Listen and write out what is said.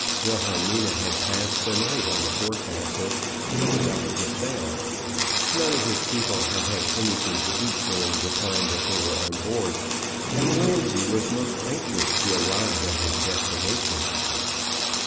Wilhelmina had passed the night on the forecastle, covered up with a sail; none of his people had had anything to eat during the time that they were on board, and Ramsay was most anxious to arrive at his destination.